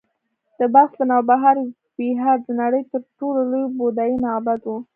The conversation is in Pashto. د بلخ د نوبهار ویهار د نړۍ تر ټولو لوی بودایي معبد و